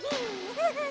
フフフッ。